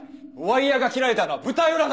ワイヤが切られたのは舞台裏だ。